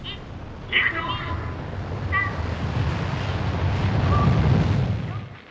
「３４５６」。